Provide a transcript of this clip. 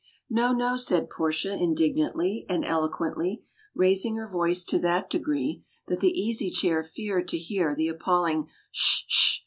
"No, no," said Portia, indignantly and eloquently, raising her voice to that degree that the Easy Chair feared to hear the appalling "'sh! 'sh!"